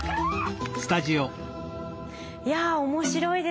いや面白いですね。